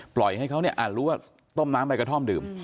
ปล่อยให้เขารู้ว่าต้มน้ำไปกับท่อมดื่ม